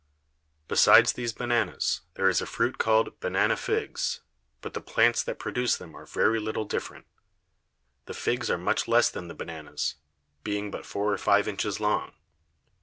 Besides these Bananes, there is a Fruit call'd Banane Figs; but the Plants that produce them are very little different: The Figs are much less than the Bananes, being but four or five Inches long.